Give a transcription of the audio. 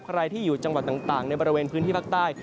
ใครที่อยู่จังหวัดต่างในบริเวณพื้นที่ภาคใต้